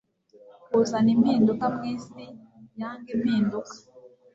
kuzana impinduka mwisi yanga impinduka